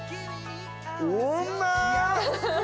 うま！